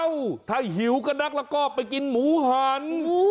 ถ้าหิวก็นักแล้วก็ไปกินหมูหัน